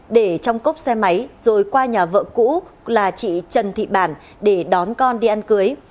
để trong cốc xe máy rồi qua nhà vợ cũ là chị trần thị bản để đón con đi ăn cưới